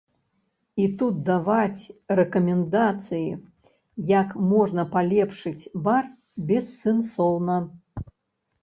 І тут даваць рэкамендацыі, як можна палепшыць бар, бессэнсоўна.